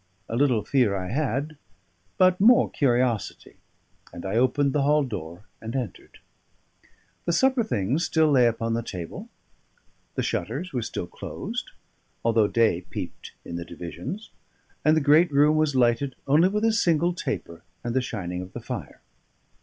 A little fear I had, but more curiosity; and I opened the hall door, and entered. The supper things still lay upon the table; the shutters were still closed, although day peeped in the divisions; and the great room was lighted only with a single taper and the shining of the fire.